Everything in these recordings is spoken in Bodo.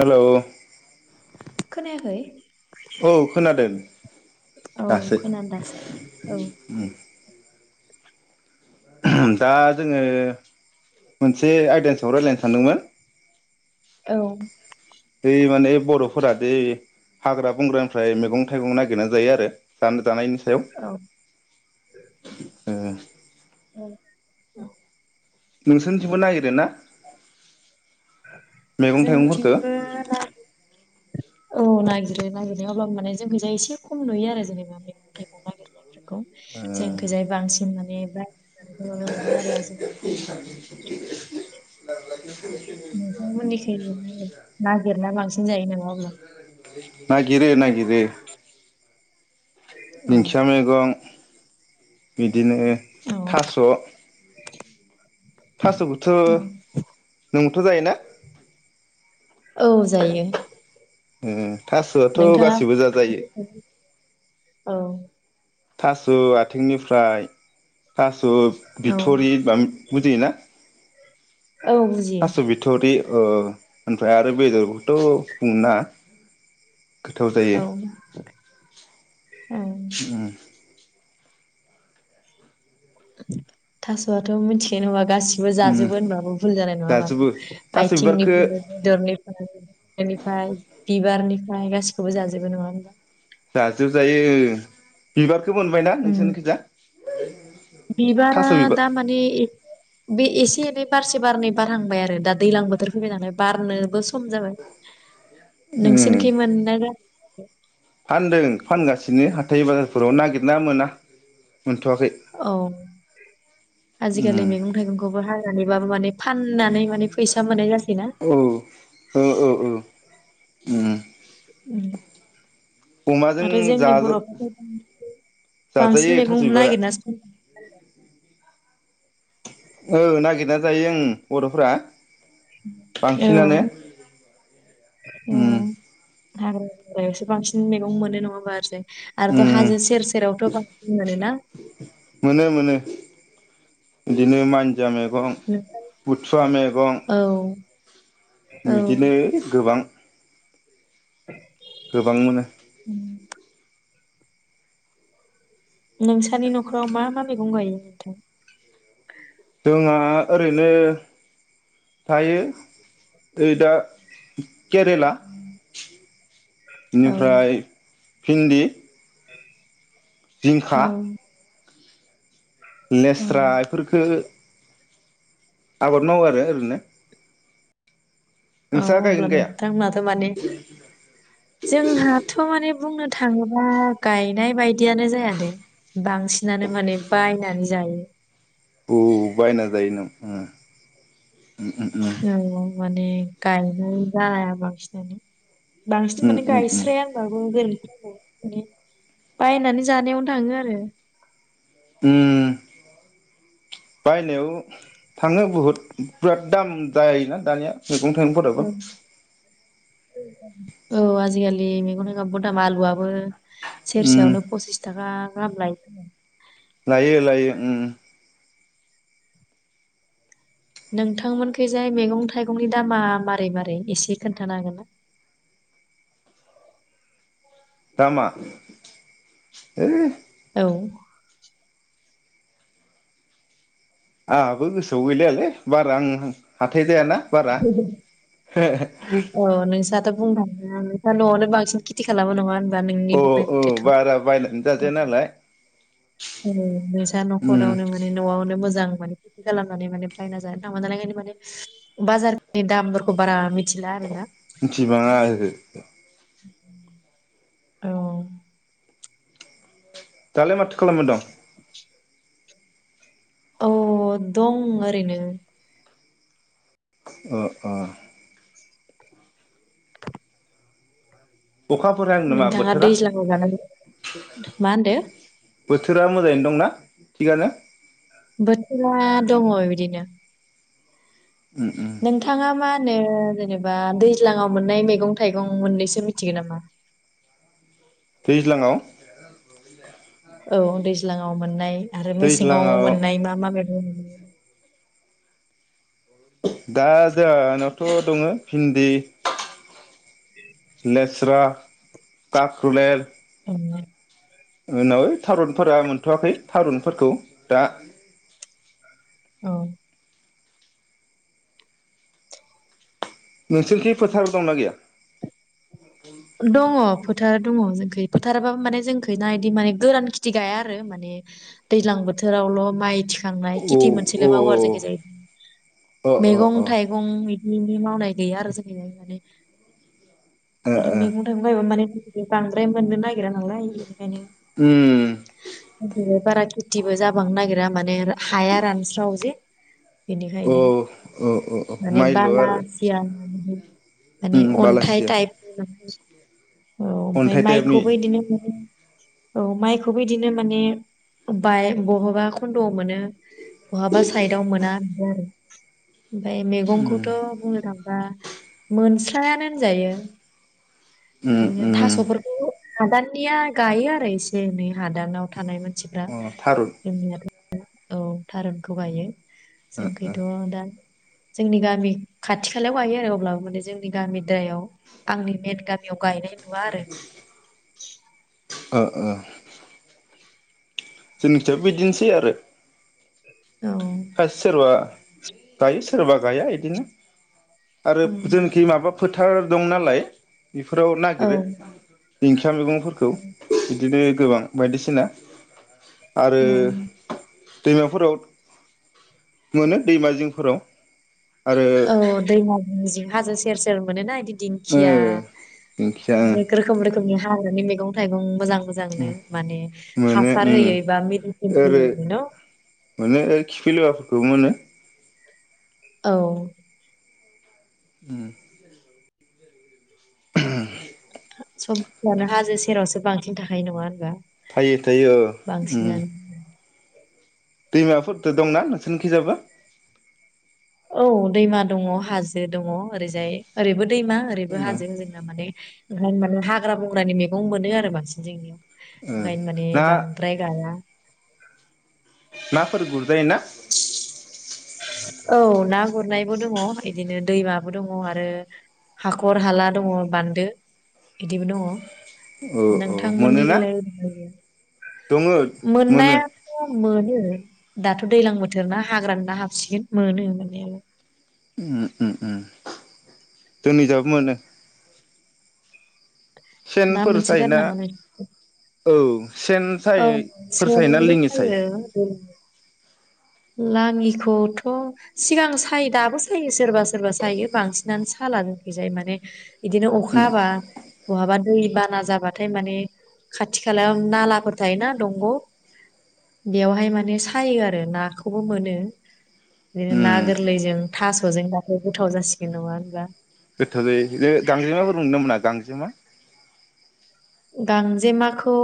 हेलौ खोनायाखै औ खोनादों औ दासो खोनादों दासो औ दा जोङो मोनसे आयदानि साव रायलायनोस सानदोंमोन औ बर'फोरादि हाग्रा बंग्रानिफ्राय मैगं थाइगं नागिरनानै जायो आरो ज जानायनि सायाव औ ओ औ औ नोंसोरनिथिबो नागिरो ना मैगं थाइगंफोरखौ ओ जोंथिंबो रा औ नागिरो नागिरनाय अब्ला माने जोंखौ जा एसे खम नुयो आरो जेनेबा मैगं थाइगं नागिरनाय जोंखैजाय बांसिन माने [inaudible] नुनो मोनो आरो आजिखालि नोंथांमोननिखै नागिरना बांसिन जायो नामा अब्ला? [inaudible] नागिरो नागिरो औ दिंखिया मैगं बिदिनो औ थास' थास'खौथ' औ नोंथ' जायोना औ जायो उम थास'आथ' नोंथाङा गासिबो जाजायो औ थास' आथिंनिफ्राय थास ' थ' औ बिथरि हनबा बुजियो ना औ बुजि औ ओमफ्राय आरो बेदरखौथ' बुंनो नाङा औ औ उम थास'आथ' मिथियो गासिबो उम जाजोबो होनबाबो भुल जानाय नङा जाजोबो मानो थास' बिबारखो आयथिंनिफ्राय बेदरनिफ्राय [unintelligible] बिबु बिबारनिफ्राय गासिखौबो जाजोबो नङा होमबा जाजोबजायो बिबारखौ मोनबायना उम नोंसोरनि खैजा [inaudible] बिबारा दा माने एसे बे एसे एै बारसे बारनै बारहांबाय आरो दा दैज्लां बोथोर फैबाय नालाय बारनोबो सम सम जाबाय उम नोंसिनिखै मोननाय औ फानदों फानगासिनो हाथाय बाजारफोराव नागिरना मोना मोनथ'वाखै औ उम आजिखालि मैगं थाइगंखौबो हाय माने फाननानै माने फैसा मोननाय जासै ना औ ओम उम आरो जोंनि जाजा बर'फोरखौ जाजायो बांसिन थास' मैगं बिबारा नागिरना संनाय औ नागिरना जायो ओन बर'फ्रा बांसिनानो औ औ हाग्रा बंग्रायावसो बांसिन मैगं मोनो नङा होनबा ओरैजाय आरोथ' उम हाजो सेर सेरावथ' बांसि मोनोना मोनो मोनो बिदिनो मान दुनदिया मैगं नोंथां? बुथुवा मैगं औ औ बिदिनो गोबां गोबां मोनो उम। नोंसानि न'खराव मा मा मैगं गायो नोंथां जोंहा ओरैनो थायो नै दा केरेला औ बेनिफ्राय फिन्दि जिंखा औ औ लेस्रा इफोरखो आबाद मावो आरो ओरैनो औ नोंस्रा अब्ला गायगोन गाया नोंथांमोनाथ' माने जोंहाथ' माने बुंनो थाङोबा गायनाय बायदियानो जायादे बांसिनानो माने बायनानै जायो आ उम उम उम औ माने गायनाय जाया बांसिनानो बांसिन माने उम उम गायस्राया होनबाबो गोरोन्थि बायनानै जानायावनो थाङो आरो उम बायनायाव थांनो बहुद बिराद दाम जायोना दानिया मेगं थाइगंफोराबो औ औ आजिखालि मैगन थाइगंबो बहुल दाम आलुआबो उम सेरसेयावनो पसिस थाखा गाहाम लायो लायो उम नोंथांमोनखैजाय मैगं थाइगंनि दामा मारै मारै एसे खोनथानो हागोन ना दामा औ आंहाबो गोसोआव गैलायलै बारा आं हाथाय जायाना बारा दा बुंनो थाङोब्ला दा नोंसा न'आवनो बांसिन खेथि खालामो नङा होनबा नोंनि अ बुंनाय औ मथेथ' बारा बायनानै जाजाया नालाय नोंसा उम न'खरावनो माने न'आवनो मोजां मोजां माने खे खालामनानै माने बायना जानो थाङा नालाय माने बाजारनि दामफोरखौ बारा मि मिथिला आरोना [inaudible] मिथिबाङा ओहो औ दालाय माथो खालामबाय दं औ दं ओरैनो ओ ओ [inaudible] अखाफोर हादों नामा नोंथाङा बोथोरा दैज्लां ह जानानै मा होनदो बोथोरा मोजाङैनो दंना थिगानो बोथोरा दङ बिदिनो उम उम नोंथाङा मा होनो जेनेबा दैज्लांआव मोननाय मैगं थाइगं मोननैसो मिथिगोन नामा दैज्लाङाव औ दैज्लांआव मोननाय आरो मेसेङाव दैज्लाङाव मोननाय मा मा मैगं मोनो दा जोंहानावथ' दङ भिन्दि लेस्रा काखरुलेर [inaudible] उनाव थारुनफोरा मोनथ'वाखै थारुनफोरखौ दा औ नोंसोरनिखि फोथाराव दंना गैया? दङ फोथार दङ जोंखै फोथाराबो माने जोंखै ना इदि माने गोरान खेथि गायया आरो माने दैज्लां बोथोरावल' माइ थिखोयो। थांनाय औ खेथि औ मोनसेल' मावो आरो जोंनिखिजाय अ अ मैगं अ थाइगं बि नोंनि मावनाय गैया आरो जोंनिहाय माने ओ आरो मैगं थाइं गायबा माने बांद्राय मोननो नागिरा नालाय। ओंखायनो उम [unintelligible] बारा खुथिबो जाबांनो नागिरा माने हाया रानस्राव जों औ बेनिखायनो औ औ औ माने माइल' आरो बालासिया होन मानि उम अन्थाइ बालासिया टाइप [unintelligible] औ ओमफाय अन्थाइ टाइपनि माइखौबो इदिनो औ माइखौबो बिदिनो माने बाय बहाबा खन्द'आव मोनो बहाबा साइदाव मोना बिदिआरो ओमफाय उम मैगंखौथ' बुंनो नाआ दा मोनस्लायानो होनजायो। उम बिदिनो उम थास'फोरखौ हादाननिया गायो आरो एसे ननै हादानाव थानायमोन। मानिफ्रा अ थारुन ओम ओ औ थारुनखौ गायो ओ जोंखैथ' दा जोंनि गामि खाथि खालायाव गायो आरो अब्लाबो जोंनि गामिद्रायाव आंनि मेन गामियाव गायनाय नुवा आरो ओ ओ ओ जोंनिथायबो बिदिनोसै आरो औ खायसे सोरबा गायो सोरबा गाया इदिनो आरो उम, जोंखि माबा फोथार दं नालाय होलाय बेफोराव औ नागिरो [unintelligible] था मैगंफोरखौ बिदिनो गोबां बायदिसिना आरो औ दैमाफोराव मोनो दैमा जिंफोराव। आरो औ दैमा जिं जिं हाजो से सेर सेर मोनो ना इदि ओ दिंखिया दिंखिया रोखोम रोखोमनि हाग्रानि मैगं मैगं थाइगं मोजां मोजांनो माने मोनो हासार उम होयै बा मिदिसिन होयै ओरै मोन' खौबो मोनो औ उम सम फ्रानो हाजो सेरावसो बांसिन थाखायो नङा होनबा थायो थायो ओ उम बांसिनानो दैमाफोरदो दंना नोंसोरनिखिजाबो औ दैमा दङ हाजो दङ ओरैजाय ओरैबो दैमा ओ ओरैबो ओ हाजों जोंना माने ओंखायनो माने हाग्रा बंग्रानि मैगं मोनो आरो बांसिन जोंनियाव। ओंगायनो माने ना बांद्राय गाया। नाफोर गुरजायो ना? औ ना गुरनायबो दङ इदिनो दैमाबो दङ आरो हाखर हाला दङ बान्दो बिदिबो दङ। औ औ नोंथांमोननि मोनोना [unintelligible] दङ मोनो मोननायाथ' मोन ओम दाथ' दैजलां बोथोर ना हाग्रानि ना हाबो सिगोन मोनो मोननायालाय। उम उम उम जोंनिजाबो मोनो। ना सेनफोर मोनसोगारो सायोना नामा नों औ सेन औ सायफोर सायोना सेनबो लिङि सायो [unintelligible] लाङिखौथ' सिगां सायो दाबो सायो सोरबा सोरबा सायो बांसिनानो साला जोंखै जाय माने इदिनो अखा उम हाबा बहाबा दै बाना जाबाथाय माने खाथि खालायाव नालाफोर थायोना दंग' बेयावहाय माने सायो आरो नाख खौबो मोनो इदिनो ना उम गोरलैजों थास'जों दाथ' गोथाव जासिगोन। नङा होनबा? गोथाव जायो। इलो गांजेमा फोरबो मोनोना मोना गांजेमा? गांजेमाखौ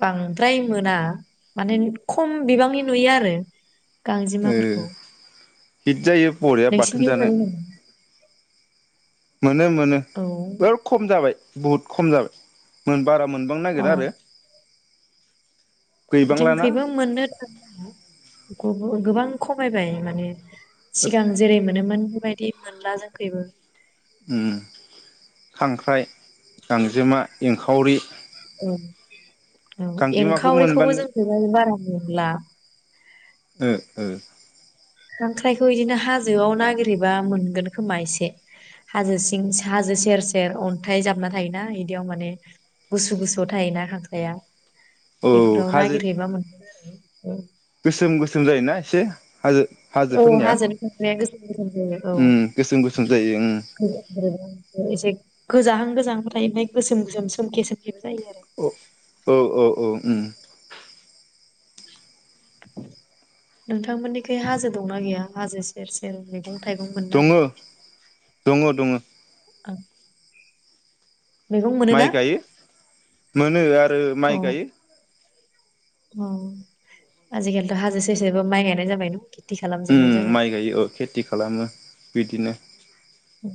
बांद्राय मोना माने खम बिबांनि नुयो आरो गांजेमाफोरखौ हित जायो बरिया बाथोन नोंसिनिथिं जानो। मोनो नामा मोनो मोनो औ बिराद खम जाबाय। बुहुद खम जाबाय मोन बाराब मोनबांनो अ नागिरा आरो गैबांलाना जोंनिखैबो मोननो थाङा गोबां खमायबाय माने सिगां जेरै मोनोमोन बेबायदि बिदि मोनला जोंखैबो उम खांख्राइ गांजोमा एंखावरि औ औ गांजेमाखौ एंखावरिखौबो मोनबानो जोंनिखैजाय बारा मोनला ओ ओ खांख्राइखौ इदिनो हाजोआव नागिरहैबा मोनगोन खोमा एसे हाजो सिं हाजो सेर सेर अन्थाइ जाबना थायोना इदियाव माने गुसु गुसु थायोना खांख्राइआ औ बेफोराव हाजो नागिरहैबा मोनगोन आरो ओ गोसोम गोसोम जायोना एसे हाजो औ हाजोफोरनिया हाजो खांख्राया गोसोम गोसोम जायो औ उम गोसोम गोसोम जायो उम गोज एसे गोजाहां गोजां थायबाय गोसोम गोजोम सोमखे सोमखे ओ औ औ औ उम नोंथांमोननिखै हाजो दंना गैया हाजो सेर सेर बे मैगं थाइगं मोनो ना दङ मोना दङ दङो ओं मैगं मोनोना माइ गायो मोनो आरो अ माइ गायो अ आजिखालिथ' हाजो ससेबो माइ गायनाय जाबाय न खालामजोबनाय उम जाबाय माइ गायो ओ खेथि खालामो बिदिनो औ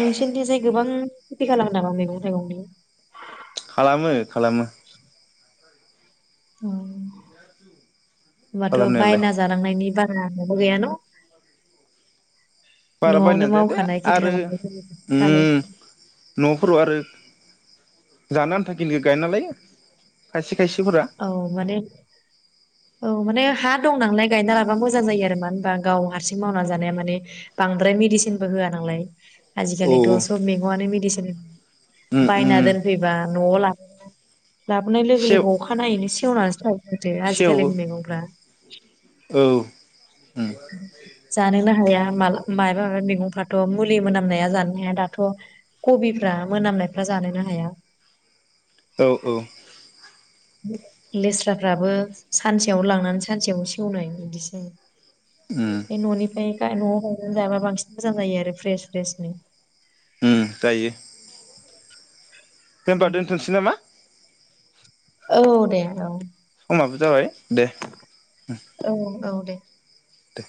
नोंसिनि थिंजाय गोबां खेथि खालामो नामा मैगं थाइगंनि खालामो खालामो अ होनोमबाथ' खालामनायालाय बायना जानांनायनि बारा गैया न बारा न'आवनो बायनानै जाया दे मावखानाय खेथि आरो खालामनाय खालाम उम न'फोराव आरो जानो आन्था खिनिखौ गायना लायो खायसे खायसेफोरा औ माने औ माने हा दं नालाय गायना मब मोजां जायो मानो होनबा गाव हारसिं मावनानै जानाया माने बांद्राय मेदिसिनबो होआ नालाय औ आजिखालिथ' उम सब मेगंआनो मिदिसिन उम बायना उम दोनफैबा न'आव लाबोना लाबोनाय लोगो सेव लोगो अखानायैनो सेवनानोसो थायो। माथो सेवो आजिखालिनि मैगंफ्रा [inaudible] औ उम जानोनो हाया माबा मायबा मायबा मैगंफ्राथ' मुलि मोनामनाया जानोनो हाया दाथ' कबिफ्रा मोनामनायफ्रा जानोनो हाया। औ औ लेस्राफ्राबो सानसेयाव लांनानै सानसेयावनो सेवनाय बिदिसै उम बे न'निफ्राय न'आव हंनानै जाबा बांसिन मोजां जायो आरो फ्रेस फ्रेसनो उम जायो। दे होनबा दोन्थनोसै नामा? औ दे औ समाबो जाबाय। दे ओ औ औ दे दे